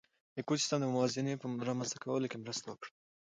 ایکوسېسټم د موازنې په رامنځ ته کولو کې مرسته وکړه.